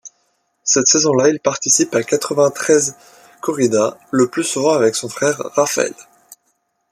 Cette saison-là, il participe à quatre-vingt-treize corridas, le plus souvent avec son frère Rafael.